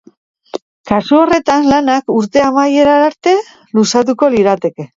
Kasu horretan, lanak urte amaierara arte luzatuko lirateke.